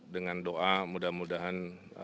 dengan doa mudah mudahan